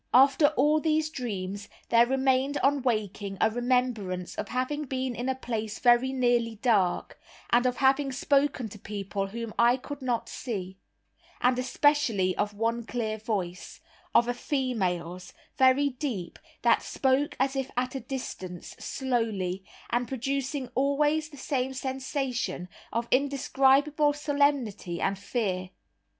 After all these dreams there remained on waking a remembrance of having been in a place very nearly dark, and of having spoken to people whom I could not see; and especially of one clear voice, of a female's, very deep, that spoke as if at a distance, slowly, and producing always the same sensation of indescribable solemnity and fear.